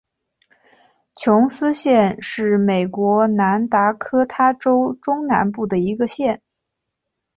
琼斯县是美国南达科他州中南部的一个县。